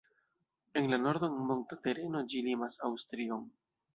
En la nordo, en monta tereno, ĝi limas Aŭstrion.